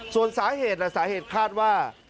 ส่วนสาเหตุล่ะสาเหตุคาดว่า